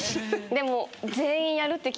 でも。